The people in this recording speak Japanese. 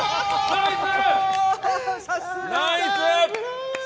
ナイス！